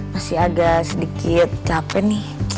masih agak sedikit capek nih